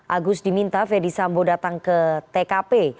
agus diminta fedy sambo datang ke tkp